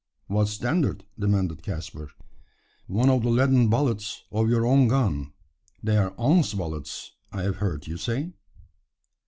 "What standard?" demanded Caspar. "One of the leaden bullets of your own gun. They are ounce bullets, I've heard you say?"